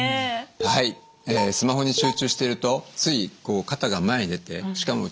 はいスマホに集中しているとつい肩が前に出てしかも内側に丸くなります。